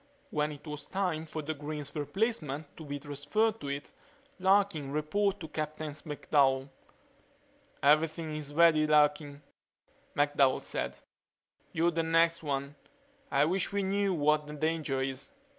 When it was time for Green's replacement to be transferred to it Larkin reported to Captain McDowell. "Everything is ready, Larkin," McDowell said. "You're the next one. I wish we knew what the danger is."